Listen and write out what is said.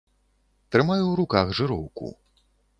Трымаю ў руках жыроўку.